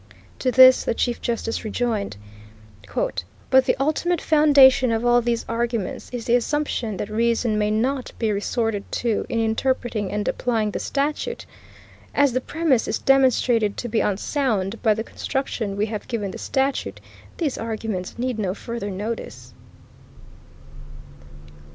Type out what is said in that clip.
To this the Chief Justice rejoined: "But the ultimate foundation of all these arguments is the assumption that reason may not be resorted to in interpreting and applying the statute.... As the premise is demonstrated to be unsound by the construction we have given the statute," these arguments need no further notice.